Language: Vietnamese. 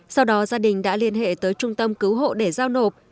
sau đó gia đình đã liên hệ tới trung tâm cứu hộ để giao nộp